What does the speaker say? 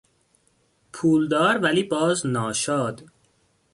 پولدار ولی باز ناشاد